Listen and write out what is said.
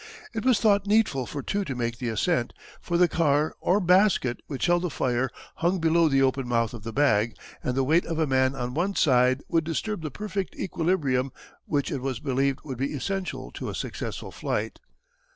It was thought needful for two to make the ascent, for the car, or basket, which held the fire hung below the open mouth of the bag, and the weight of a man on one side would disturb the perfect equilibrium which it was believed would be essential to a successful flight.